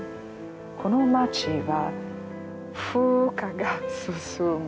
この町は風化が進む。